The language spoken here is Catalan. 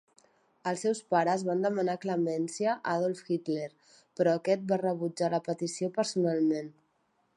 Els seus pares van demanar clemència a Adolf Hitler, però aquest va rebutjar la petició personalment.